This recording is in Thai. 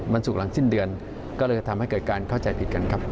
ศุกร์หลังสิ้นเดือนก็เลยจะทำให้เกิดการเข้าใจผิดกันครับ